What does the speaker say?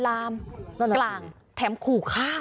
กลางแถมคู่ฆ่า